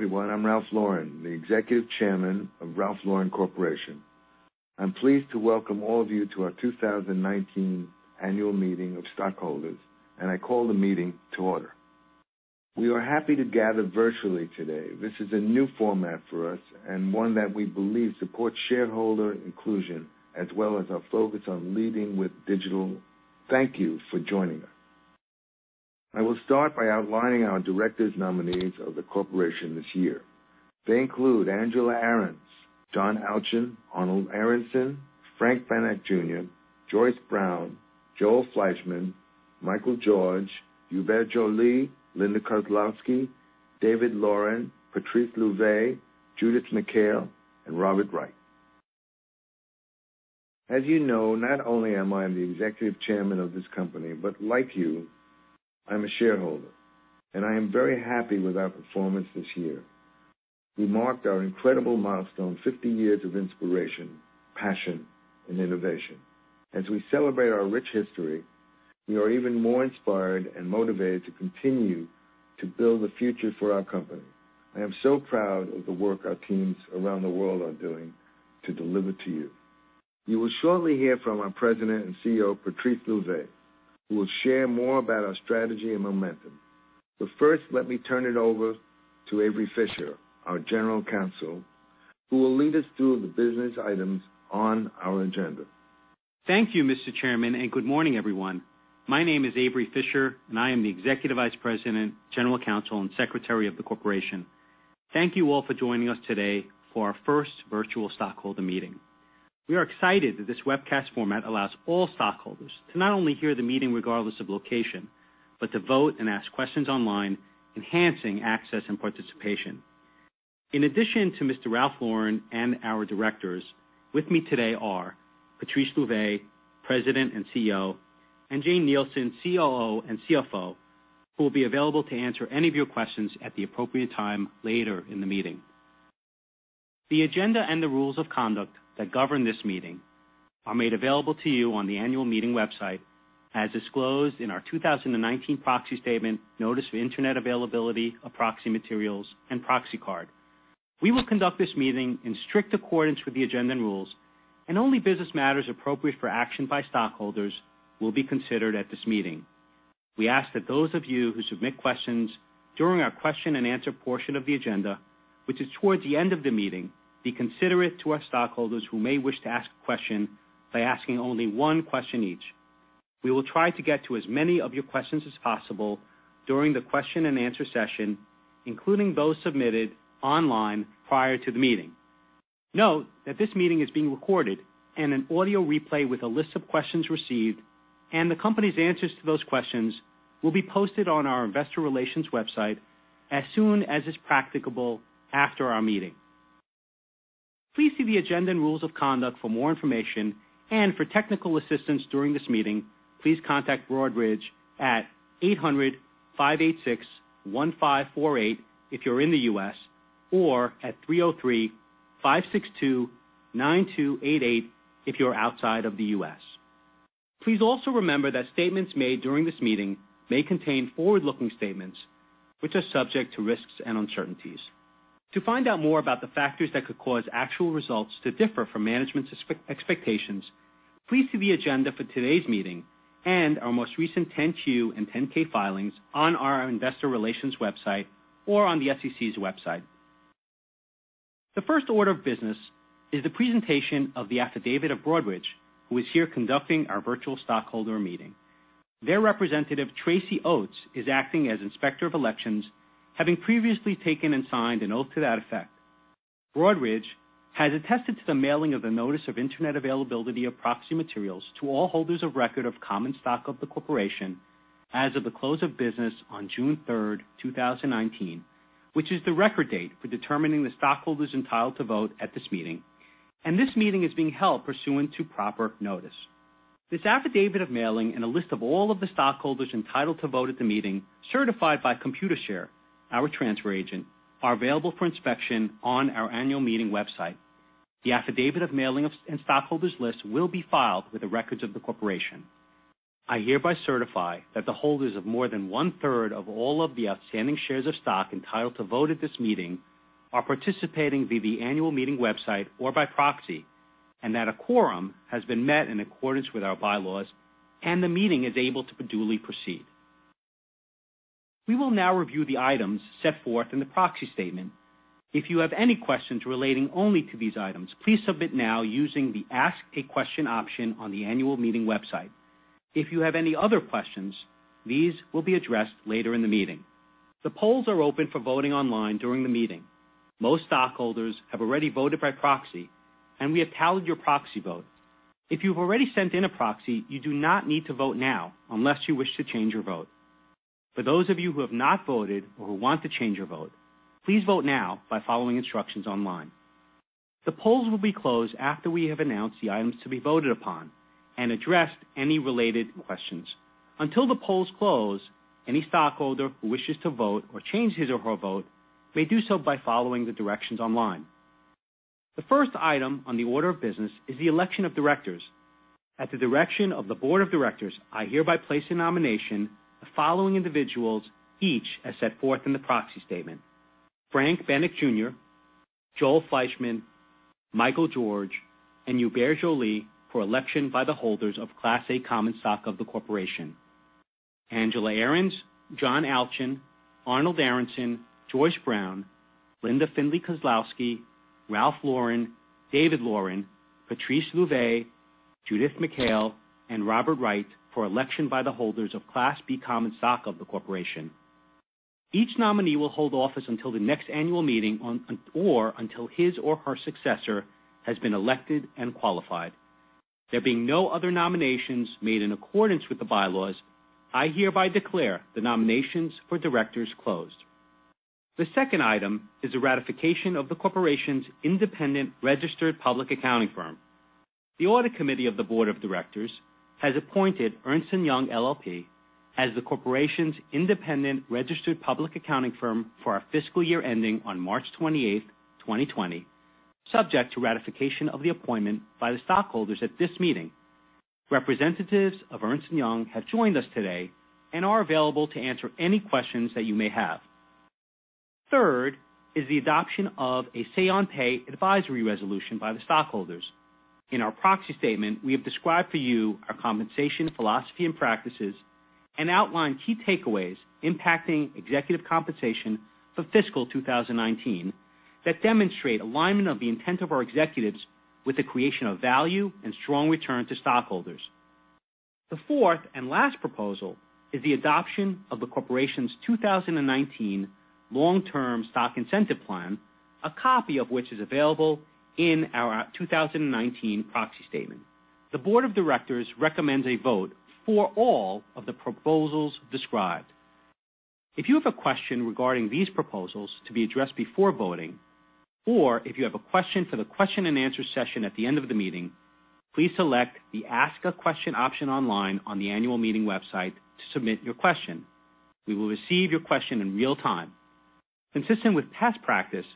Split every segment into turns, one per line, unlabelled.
Hello, everyone. I'm Ralph Lauren, the Executive Chairman of Ralph Lauren Corporation. I'm pleased to welcome all of you to our 2019 annual meeting of stockholders. I call the meeting to order. We are happy to gather virtually today. This is a new format for us and one that we believe supports shareholder inclusion as well as our focus on leading with digital. Thank you for joining us. I will start by outlining our directors nominees of the corporation this year. They include Angela Ahrendts, John Alchin, Arnold Aronson, Frank Bennack Jr., Joyce Brown, Joel Fleishman, Michael George, Hubert Joly, Linda Kozlowski, David Lauren, Patrice Louvet, Judith McHale, and Robert Wright. As you know, not only am I the Executive Chairman of this company, but like you, I'm a shareholder, and I am very happy with our performance this year. We marked our incredible milestone, 50 years of inspiration, passion, and innovation. As we celebrate our rich history, we are even more inspired and motivated to continue to build a future for our company. I am so proud of the work our teams around the world are doing to deliver to you. You will shortly hear from our President and CEO, Patrice Louvet, who will share more about our strategy and momentum. First, let me turn it over to Avery Fischer, our General Counsel, who will lead us through the business items on our agenda.
Thank you, Mr. Chairman, and good morning, everyone. My name is Avery Fischer, and I am the Executive Vice President, General Counsel, and Secretary of the Corporation. Thank you all for joining us today for our first virtual stockholder meeting. We are excited that this webcast format allows all stockholders to not only hear the meeting regardless of location, but to vote and ask questions online, enhancing access and participation. In addition to Mr. Ralph Lauren and our directors, with me today are Patrice Louvet, President and CEO, and Jane Nielsen, COO and CFO, who will be available to answer any of your questions at the appropriate time later in the meeting. The agenda and the rules of conduct that govern this meeting are made available to you on the annual meeting website as disclosed in our 2019 Proxy Statement Notice of Internet Availability of Proxy Materials and Proxy Card. We will conduct this meeting in strict accordance with the agenda and rules, and only business matters appropriate for action by stockholders will be considered at this meeting. We ask that those of you who submit questions during our question and answer portion of the agenda, which is towards the end of the meeting, be considerate to our stockholders who may wish to ask a question by asking only one question each. We will try to get to as many of your questions as possible during the question and answer session, including those submitted online prior to the meeting. Note that this meeting is being recorded, and an audio replay with a list of questions received and the company's answers to those questions will be posted on our investor relations website as soon as is practicable after our meeting. Please see the agenda and rules of conduct for more information, and for technical assistance during this meeting, please contact Broadridge at 800-586-1548 if you're in the U.S. or at 303-562-9288 if you're outside of the U.S. Please also remember that statements made during this meeting may contain forward-looking statements, which are subject to risks and uncertainties. To find out more about the factors that could cause actual results to differ from management's expectations, please see the agenda for today's meeting and our most recent 10Q and 10K filings on our investor relations website or on the SEC's website. The first order of business is the presentation of the affidavit of Broadridge, who is here conducting our virtual stockholder meeting. Their representative, Tracy Oates, is acting as Inspector of Elections, having previously taken and signed an oath to that effect. Broadridge has attested to the mailing of the notice of internet availability of proxy materials to all holders of record of common stock of the corporation as of the close of business on June 3rd, 2019, which is the record date for determining the stockholders entitled to vote at this meeting. This meeting is being held pursuant to proper notice. This affidavit of mailing and a list of all of the stockholders entitled to vote at the meeting, certified by Computershare, our transfer agent, are available for inspection on our annual meeting website. The affidavit of mailing and stockholders' list will be filed with the records of the corporation. I hereby certify that the holders of more than one-third of all of the outstanding shares of stock entitled to vote at this meeting are participating via the annual meeting website or by proxy, and that a quorum has been met in accordance with our bylaws and the meeting is able to duly proceed. We will now review the items set forth in the proxy statement. If you have any questions relating only to these items, please submit now using the Ask a Question option on the annual meeting website. If you have any other questions, these will be addressed later in the meeting. The polls are open for voting online during the meeting. Most stockholders have already voted by proxy, and we have tallied your proxy votes. If you've already sent in a proxy, you do not need to vote now unless you wish to change your vote. For those of you who have not voted or who want to change your vote, please vote now by following instructions online. The polls will be closed after we have announced the items to be voted upon and addressed any related questions. Until the polls close, any stockholder who wishes to vote or change his or her vote may do so by following the directions online. The first item on the order of business is the election of directors. At the direction of the Board of Directors, I hereby place in nomination the following individuals, each as set forth in the proxy statement. Frank Bennack Jr., Joel Fleishman, Michael George, and Hubert Joly for election by the holders of Class A Common Stock of the corporation. Angela Ahrendts, John Alchin, Arnold Aronson, Joyce Brown, Linda Findley Kozlowski, Ralph Lauren, David Lauren, Patrice Louvet, Judith McHale, and Robert Wright for election by the holders of Class B common stock of the corporation. Each nominee will hold office until the next annual meeting or until his or her successor has been elected and qualified. There being no other nominations made in accordance with the bylaws, I hereby declare the nominations for directors closed. The second item is the ratification of the corporation's independent registered public accounting firm. The audit committee of the board of directors has appointed Ernst & Young LLP as the corporation's independent registered public accounting firm for our fiscal year ending on March 28th, 2020, subject to ratification of the appointment by the stockholders at this meeting. Representatives of Ernst & Young have joined us today and are available to answer any questions that you may have. Third is the adoption of a say on pay advisory resolution by the stockholders. In our proxy statement, we have described for you our compensation philosophy and practices and outlined key takeaways impacting executive compensation for fiscal 2019 that demonstrate alignment of the intent of our executives with the creation of value and strong return to stockholders. The fourth and last proposal is the adoption of the corporation's 2019 Long-Term Stock Incentive Plan, a copy of which is available in our 2019 proxy statement. The board of directors recommends a vote for all of the proposals described. If you have a question regarding these proposals to be addressed before voting, or if you have a question for the question and answer session at the end of the meeting, please select the Ask a Question option online on the annual meeting website to submit your question. We will receive your question in real time. Consistent with past practice,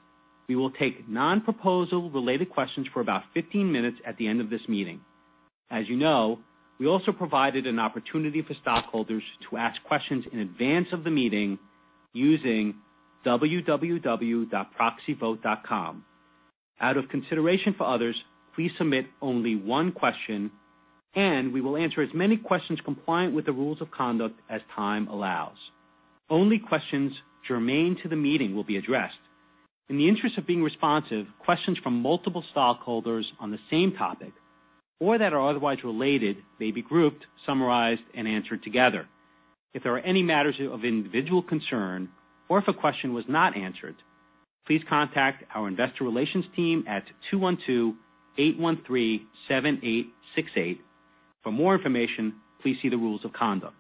we will take non-proposal related questions for about 15 minutes at the end of this meeting. As you know, we also provided an opportunity for stockholders to ask questions in advance of the meeting using proxyvote.com. Out of consideration for others, please submit only one question, and we will answer as many questions compliant with the rules of conduct as time allows. Only questions germane to the meeting will be addressed. In the interest of being responsive, questions from multiple stockholders on the same topic or that are otherwise related may be grouped, summarized, and answered together. If there are any matters of individual concern or if a question was not answered, please contact our investor relations team at 212-813-7868. For more information, please see the rules of conduct.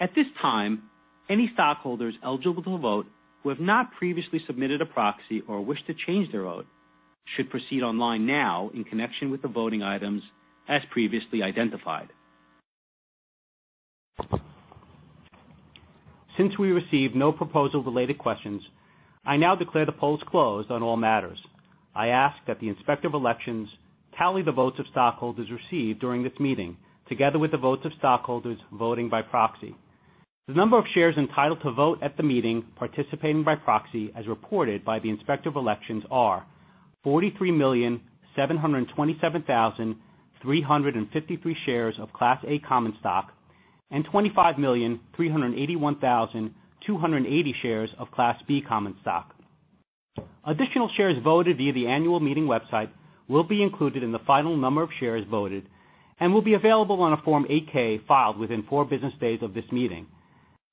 At this time, any stockholders eligible to vote who have not previously submitted a proxy or wish to change their vote should proceed online now in connection with the voting items as previously identified. Since we received no proposal-related questions, I now declare the polls closed on all matters. I ask that the Inspector of Elections tally the votes of stockholders received during this meeting, together with the votes of stockholders voting by proxy. The number of shares entitled to vote at the meeting participating by proxy, as reported by the Inspector of Elections are 43,727,353 shares of Class A common stock and 25,381,280 shares of Class B common stock. Additional shares voted via the annual meeting website will be included in the final number of shares voted and will be available on a Form 8-K filed within four business days of this meeting.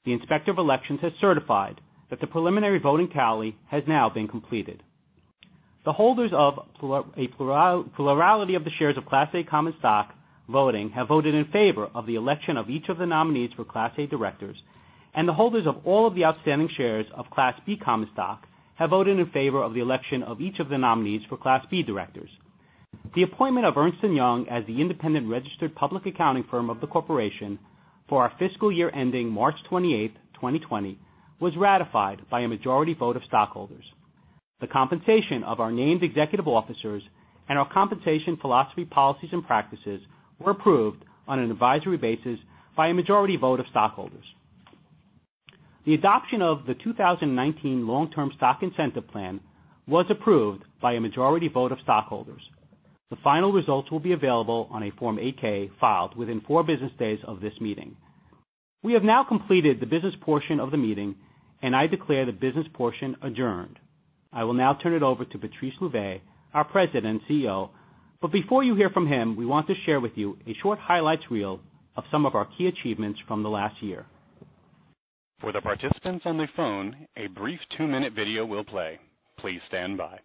The Inspector of Elections has certified that the preliminary voting tally has now been completed. The holders of a plurality of the shares of Class A common stock voting have voted in favor of the election of each of the nominees for Class A directors, and the holders of all of the outstanding shares of Class B common stock have voted in favor of the election of each of the nominees for Class B directors. The appointment of Ernst & Young as the independent registered public accounting firm of the corporation for our fiscal year ending March 28th, 2020, was ratified by a majority vote of stockholders. The compensation of our named executive officers and our compensation philosophy, policies, and practices were approved on an advisory basis by a majority vote of stockholders. The adoption of the 2019 Long-Term Stock Incentive Plan was approved by a majority vote of stockholders. The final results will be available on a Form 8-K filed within four business days of this meeting. We have now completed the business portion of the meeting. I declare the business portion adjourned. I will now turn it over to Patrice Louvet, our President and CEO. Before you hear from him, we want to share with you a short highlights reel of some of our key achievements from the last year.
For the participants on the phone, a brief two-minute video will play. Please stand by.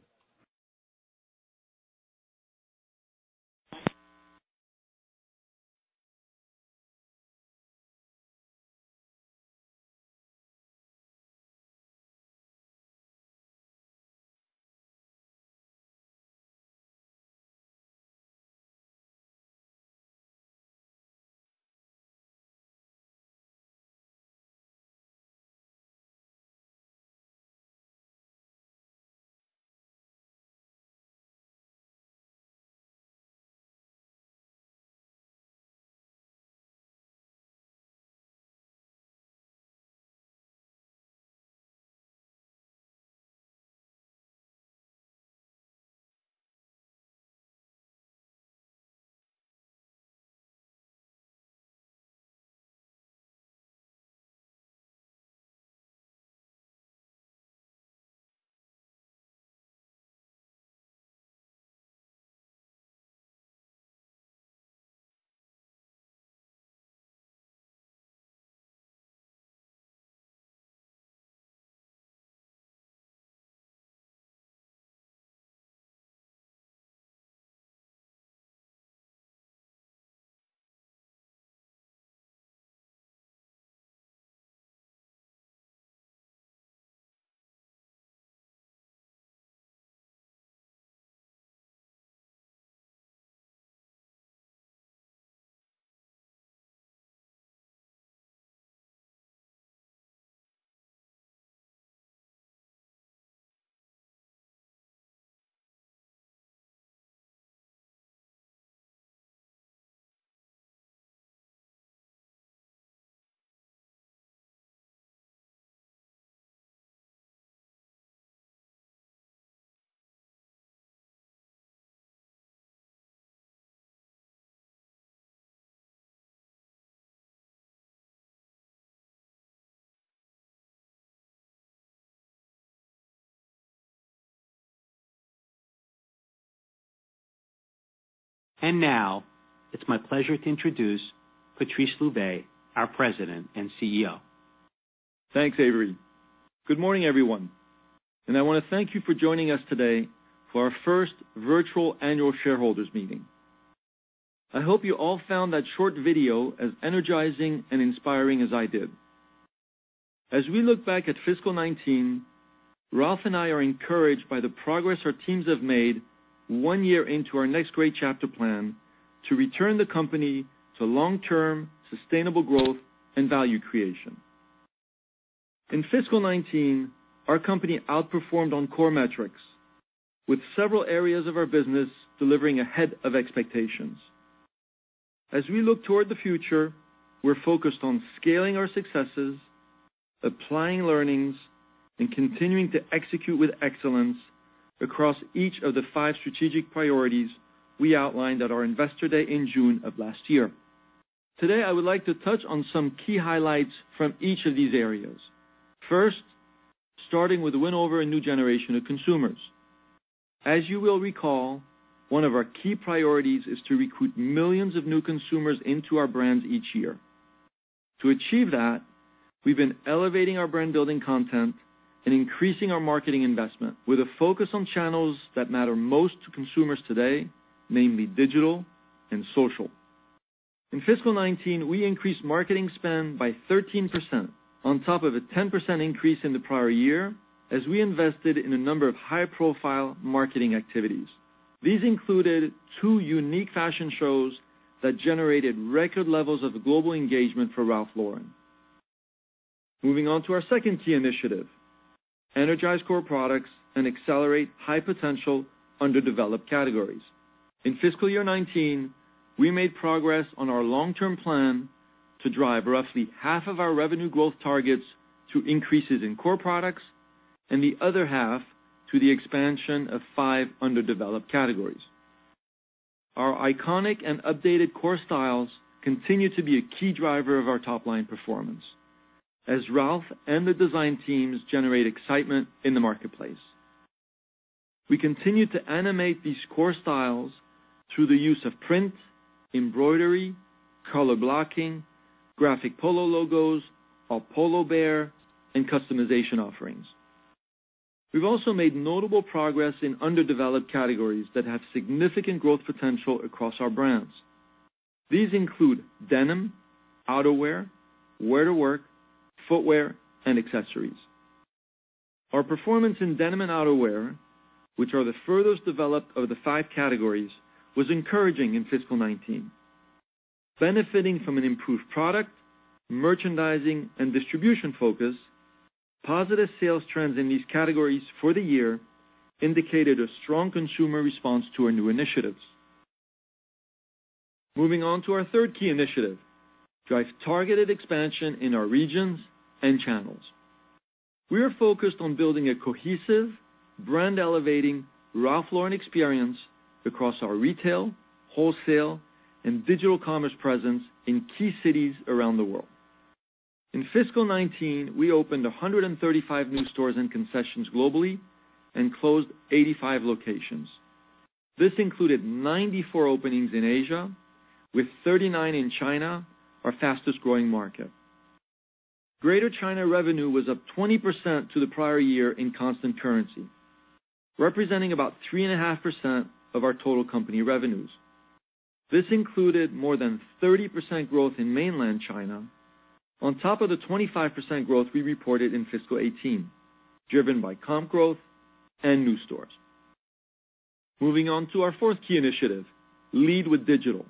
Now it's my pleasure to introduce Patrice Louvet, our President and CEO.
Thanks, Avery. Good morning, everyone. I want to thank you for joining us today for our first virtual annual shareholders meeting. I hope you all found that short video as energizing and inspiring as I did. As we look back at fiscal 2019, Ralph and I are encouraged by the progress our teams have made one year into our Next Great Chapter plan to return the company to long-term sustainable growth and value creation. In fiscal 2019, our company outperformed on core metrics, with several areas of our business delivering ahead of expectations. As we look toward the future, we're focused on scaling our successes, applying learnings, and continuing to execute with excellence across each of the five strategic priorities we outlined at our Investor Day in June of last year. Today, I would like to touch on some key highlights from each of these areas. First, starting with win over a new generation of consumers. As you will recall, one of our key priorities is to recruit millions of new consumers into our brands each year. To achieve that, we've been elevating our brand-building content and increasing our marketing investment with a focus on channels that matter most to consumers today, namely digital and social. In fiscal 2019, we increased marketing spend by 13% on top of a 10% increase in the prior year as we invested in a number of high-profile marketing activities. These included two unique fashion shows that generated record levels of global engagement for Ralph Lauren. Moving on to our second key initiative, energize core products and accelerate high-potential underdeveloped categories. In fiscal year 2019, we made progress on our long-term plan to drive roughly half of our revenue growth targets to increases in core products and the other half to the expansion of 5 underdeveloped categories. Our iconic and updated core styles continue to be a key driver of our top-line performance as Ralph and the design teams generate excitement in the marketplace. We continue to animate these core styles through the use of print, embroidery, color blocking, graphic Polo logos, our Polo Bear, and customization offerings. We've also made notable progress in underdeveloped categories that have significant growth potential across our brands. These include denim, outerwear, wear-to-work, footwear, and accessories. Our performance in denim and outerwear, which are the furthest developed of the 5 categories, was encouraging in fiscal 2019. Benefiting from an improved product, merchandising, and distribution focus, positive sales trends in these categories for the year indicated a strong consumer response to our new initiatives. Moving on to our third key initiative, drive targeted expansion in our regions and channels. We are focused on building a cohesive brand-elevating Ralph Lauren experience across our retail, wholesale, and digital commerce presence in key cities around the world. In fiscal 2019, we opened 135 new stores and concessions globally and closed 85 locations. This included 94 openings in Asia with 39 in China, our fastest-growing market. Greater China revenue was up 20% to the prior year in constant currency, representing about 3.5% of our total company revenues. This included more than 30% growth in mainland China on top of the 25% growth we reported in fiscal 2018, driven by comp growth and new stores. Moving on to our fourth key initiative, lead with digital.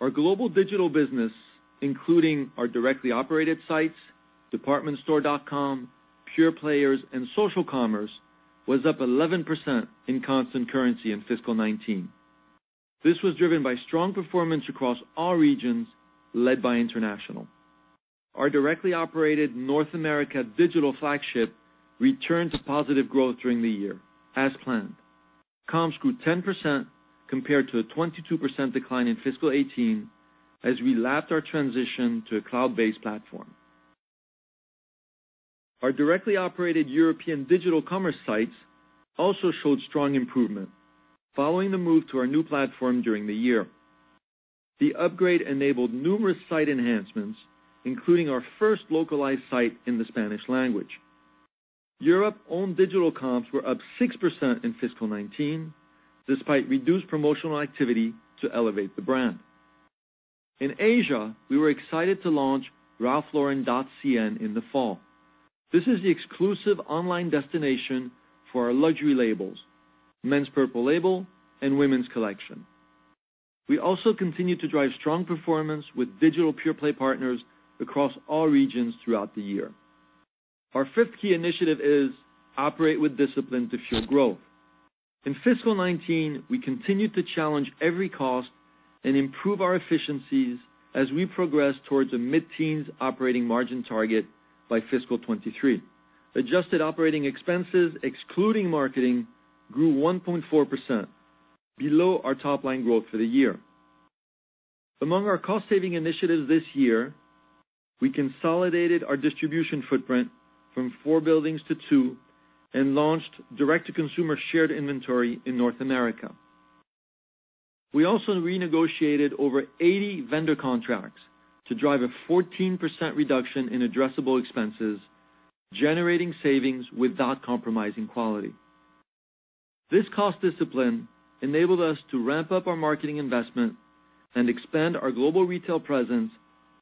Our global digital business, including our directly operated sites, departmentstore.com, pure players, and social commerce, was up 11% in constant currency in fiscal 2019. This was driven by strong performance across all regions, led by international. Our directly operated North America digital flagship returned to positive growth during the year, as planned. Comps grew 10% compared to a 22% decline in fiscal 2018, as we lapped our transition to a cloud-based platform. Our directly operated European digital commerce sites also showed strong improvement following the move to our new platform during the year. The upgrade enabled numerous site enhancements, including our first localized site in the Spanish language. Europe-owned digital comps were up 6% in fiscal 2019, despite reduced promotional activity to elevate the brand. In Asia, we were excited to launch ralphlauren.cn in the fall. This is the exclusive online destination for our luxury labels, Men's Purple Label and Women's Collection. We also continue to drive strong performance with digital pure-play partners across all regions throughout the year. Our fifth key initiative is operate with discipline to fuel growth. In fiscal 2019, we continued to challenge every cost and improve our efficiencies as we progress towards a mid-teens operating margin target by fiscal 2023. Adjusted operating expenses, excluding marketing, grew 1.4%, below our top-line growth for the year. Among our cost-saving initiatives this year, we consolidated our distribution footprint from four buildings to two and launched direct-to-consumer shared inventory in North America. We also renegotiated over 80 vendor contracts to drive a 14% reduction in addressable expenses, generating savings without compromising quality. This cost discipline enabled us to ramp up our marketing investment and expand our global retail presence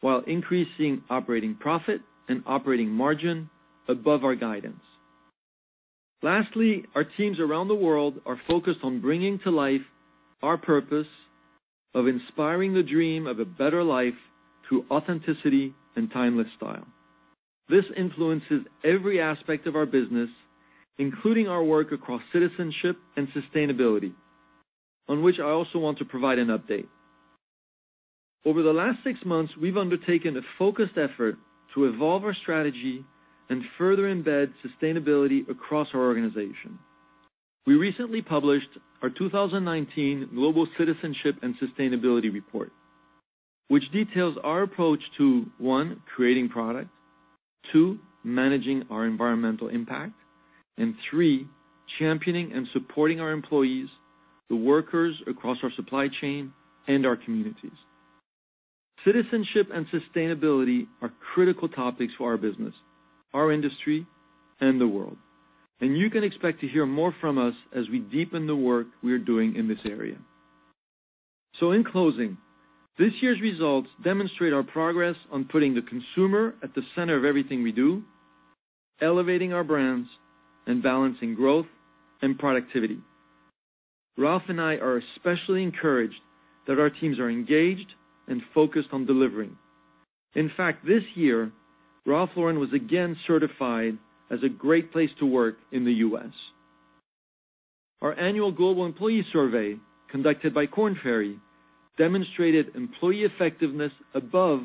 while increasing operating profit and operating margin above our guidance. Lastly, our teams around the world are focused on bringing to life our purpose of inspiring the dream of a better life through authenticity and timeless style. This influences every aspect of our business, including our work across citizenship and sustainability, on which I also want to provide an update. Over the last six months, we've undertaken a focused effort to evolve our strategy and further embed sustainability across our organization. We recently published our 2019 Global Citizenship and Sustainability Report, which details our approach to, one, creating product, two, managing our environmental impact, and three, championing and supporting our employees, the workers across our supply chain, and our communities. Citizenship and sustainability are critical topics for our business, our industry, and the world. You can expect to hear more from us as we deepen the work we are doing in this area. In closing, this year's results demonstrate our progress on putting the consumer at the center of everything we do, elevating our brands, and balancing growth and productivity. Ralph and I are especially encouraged that our teams are engaged and focused on delivering. In fact, this year, Ralph Lauren was again certified as a Great Place to Work in the U.S. Our annual global employee survey, conducted by Korn Ferry, demonstrated employee effectiveness above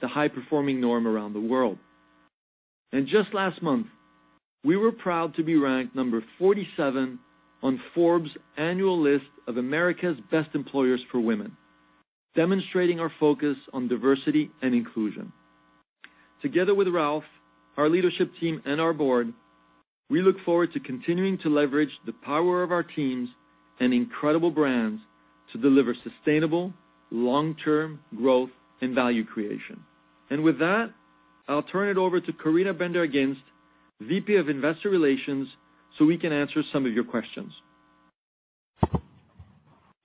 the high-performing norm around the world. Just last month, we were proud to be ranked number 47 on Forbes' annual list of America's best employers for women, demonstrating our focus on diversity and inclusion. Together with Ralph, our leadership team, and our board, we look forward to continuing to leverage the power of our teams and incredible brands to deliver sustainable, long-term growth and value creation. With that, I'll turn it over to Corinna Van der Ghinst, VP of Investor Relations, so we can answer some of your questions.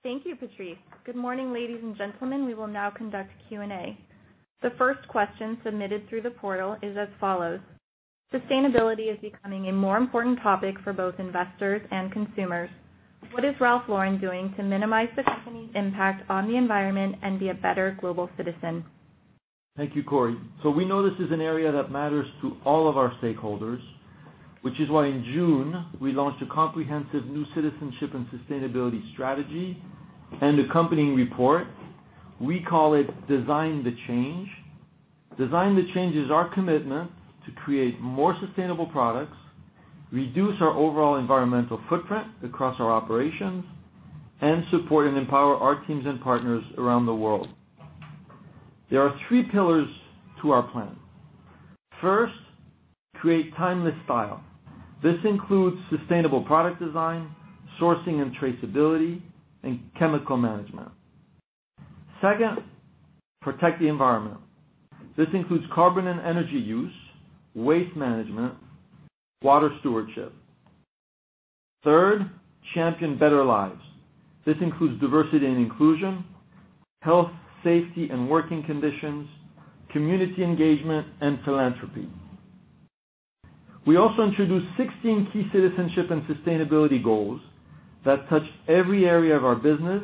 Thank you, Patrice. Good morning, ladies and gentlemen. We will now conduct Q&A. The first question submitted through the portal is as follows: Sustainability is becoming a more important topic for both investors and consumers. What is Ralph Lauren doing to minimize the company's impact on the environment and be a better global citizen?
Thank you, Cori. We know this is an area that matters to all of our stakeholders, which is why in June, we launched a comprehensive new citizenship and sustainability strategy and accompanying report. We call it Design the Change. Design the Change is our commitment to create more sustainable products, reduce our overall environmental footprint across our operations, and support and empower our teams and partners around the world. There are three pillars to our plan. First, create timeless style. This includes sustainable product design, sourcing and traceability, and chemical management. Second, protect the environment. This includes carbon and energy use, waste management, water stewardship. Third, champion better lives. This includes diversity and inclusion, health, safety, and working conditions, community engagement, and philanthropy. We also introduced 16 key citizenship and sustainability goals that touch every area of our business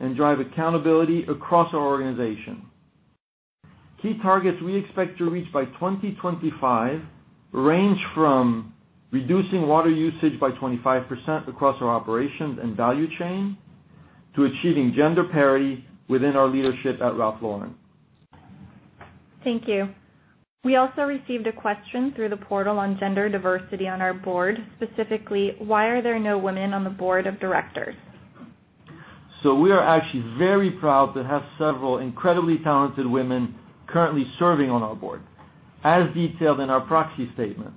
and drive accountability across our organization. Key targets we expect to reach by 2025 range from reducing water usage by 25% across our operations and value chain to achieving gender parity within our leadership at Ralph Lauren.
Thank you. We also received a question through the portal on gender diversity on our board. Specifically, why are there no women on the board of directors?
We are actually very proud to have several incredibly talented women currently serving on our board, as detailed in our proxy statement.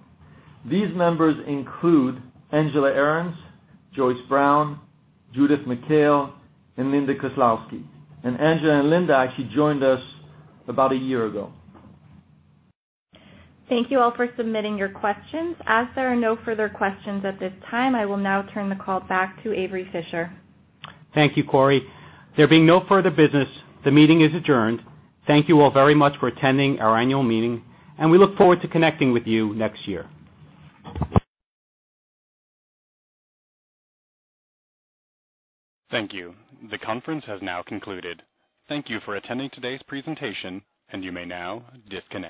These members include Angela Ahrendts, Joyce Brown, Judith McHale, and Linda Kozlowski. Angela and Linda actually joined us about a year ago.
Thank you all for submitting your questions. There are no further questions at this time, I will now turn the call back to Avery Fischer.
Thank you, Corey. There being no further business, the meeting is adjourned. Thank you all very much for attending our annual meeting. We look forward to connecting with you next year.
Thank you. The conference has now concluded. Thank you for attending today's presentation, and you may now disconnect.